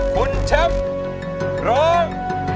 คุณแชมป์ร้อง